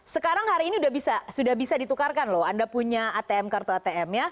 sekarang hari ini sudah bisa ditukarkan loh anda punya atm kartu atm ya